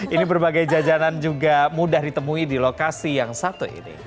ini berbagai jajanan juga mudah ditemui di lokasi yang satu ini